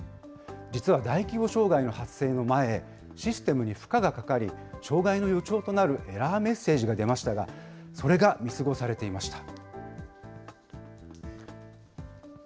実は大規模障害の発生の前、システムに負荷がかかり、障害の予兆となるエラーメッセージが出ましたが、それが見過ごされていました。